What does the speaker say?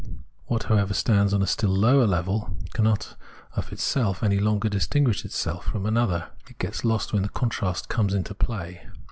What, however, stands on a still lower level cannot of itself any longer distinguish itself from another; it gets lost when the contrast comes into play.